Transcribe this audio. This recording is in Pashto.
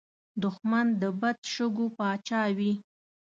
دښمن د بد شګو پاچا وي